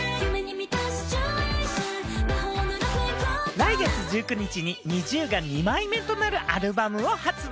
来月１９日にＮｉｚｉＵが２枚目となるアルバムを発売。